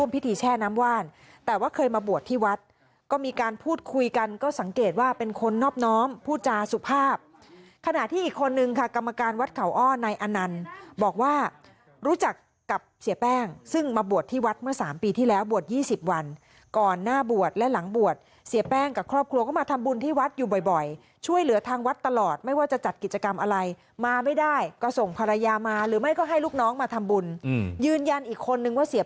พิธีแช่น้ำว่านแต่ว่าเคยมาบวชที่วัดก็มีการพูดคุยกันก็สังเกตว่าเป็นคนนอบน้อมผู้จาสุขภาพขณะที่อีกคนนึงค่ะกรรมการวัดเขาอ้อในอันนั้นบอกว่ารู้จักกับเสียแป้งซึ่งมาบวชที่วัดเมื่อ๓ปีที่แล้วบวช๒๐วันก่อนหน้าบวชและหลังบวชเสียแป้งกับครอบครัวก็มาทำบุญที่วัดอยู่บ่อยช่วย